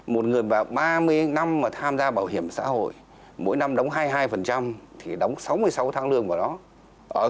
một người bà ba mươi năm mà tham gia bảo hiểm xã hội mỗi năm đóng hai mươi hai thì đóng sáu mươi sáu tháng lương vào đó